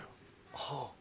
はあ。